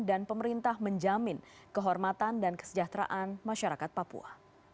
dan pemerintah menjamin kehormatan dan kesejahteraan masyarakat papua